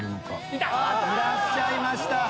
いらっしゃいました！